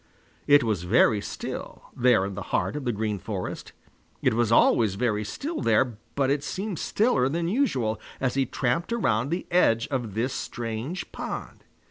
It was very still there in the heart of the Green Forest. It was always very still there, but it seemed stiller than usual as he tramped around the edge of this strange pond.